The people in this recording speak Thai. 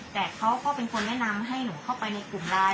แต่เขาก็เป็นคนแนะนำให้หนูเข้าไปในกลุ่มไลน์